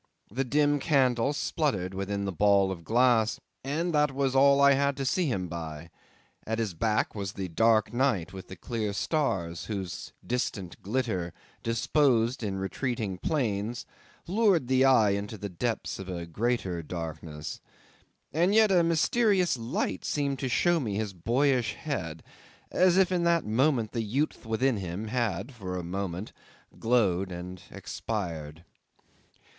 The dim candle spluttered within the ball of glass, and that was all I had to see him by; at his back was the dark night with the clear stars, whose distant glitter disposed in retreating planes lured the eye into the depths of a greater darkness; and yet a mysterious light seemed to show me his boyish head, as if in that moment the youth within him had, for a moment, glowed and expired.